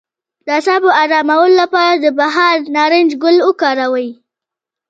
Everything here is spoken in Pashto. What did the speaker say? د اعصابو ارامولو لپاره د بهار نارنج ګل وکاروئ